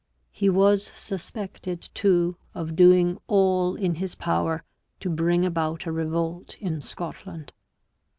He was suspected, too, of doing all in his power to bring about a revolt in Scotland.